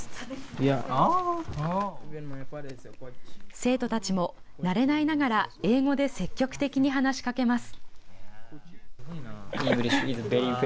生徒たちも、慣れないながら英語で積極的に話しかけます。